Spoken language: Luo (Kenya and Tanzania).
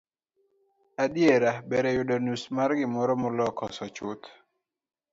adiera, ber yudo nus mar gimoro moloyo koso chuth